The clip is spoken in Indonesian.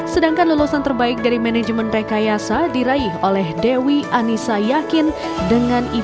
sedangkan lulusan terbaik dari manajemen rekayasa diraih oleh dewi anissa yakin dengan ipk tiga delapan puluh dua